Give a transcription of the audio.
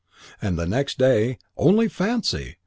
And the next day, "Only fancy!"